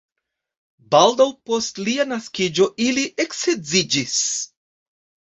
Baldaŭ post lia naskiĝo ili eksedziĝis.